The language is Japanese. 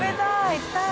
行きたい。